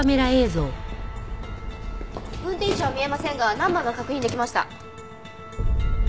運転手は見えませんがナンバーが確認できました。